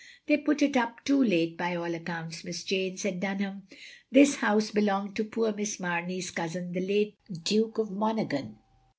They put it up too late, by all accounts. Miss Jane," said Dunham. "This house belonged to poor Miss Mamey's cousin, the late Duke of Monaghan.